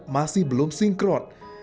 masih belum sinkron